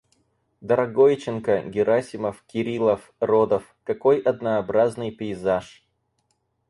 Дорогойченко, Герасимов, Кириллов, Родов — какой однаробразный пейзаж!